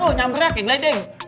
oh nyampernya kaget deh